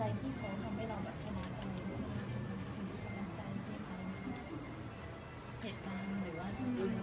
เหตุการณ์หรือว่าอะไรครับ